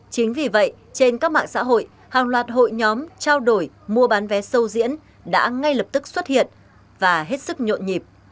chính vì vậy trên các mạng xã hội hàng loạt hội nhóm trao đổi mua bán vé sâu diễn đã ngay lập tức xuất hiện và hết sức nhộn nhịp